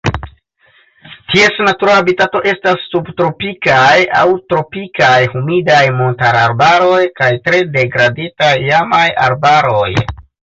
Ties natura habitato estas subtropikaj aŭ tropikaj humidaj montararbaroj kaj tre degraditaj iamaj arbaroj.